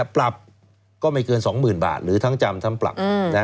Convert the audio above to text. ปรับก็ไม่เกิน๒๐๐๐บาทหรือทั้งจำทั้งปรับ